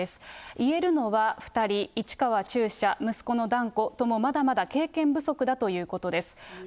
言えるのは、２人、市川中車、息子の團子ともまだまだ経験不足だということです。